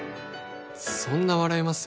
そんな笑います？